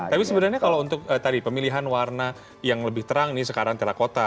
tapi sebenarnya kalau untuk tadi pemilihan warna yang lebih terang nih sekarang terakota